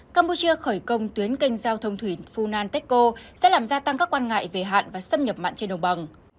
campuchia khởi công tuyến kênh giao thông thủy funan techco sẽ làm gia tăng các quan ngại về hạn và xâm nhập mặn trên đồng bằng